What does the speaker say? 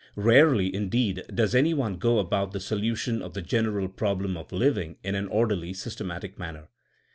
Barely indeed does any one go about the solution of the general problem of living in an orderly, systematic manner.